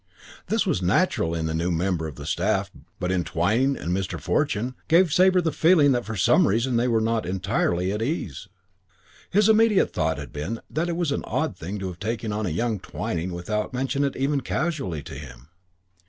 This was natural in the new member of the staff but in Twyning and Mr. Fortune gave Sabre the feeling that for some reason they were not entirely at ease. His immediate thought had been that it was an odd thing to have taken on young Twyning without mentioning it even casually to him.